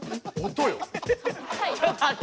音よ！